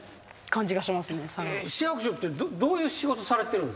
市役所ってどういう仕事されてるんですか？